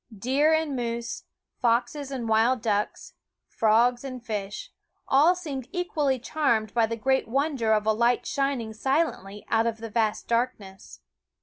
Deer and moose, foxes and wild ducks, frogs and fish, all seemed equally charmed by the great wonder of a light shining silently out of the vast darkness.